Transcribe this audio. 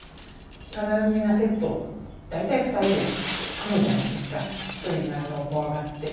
必ずみんなセット大体２人で組むじゃないですか一人になるのを怖がって。